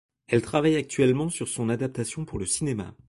Elle travaille actuellement sur son adaptation pour le cinéma.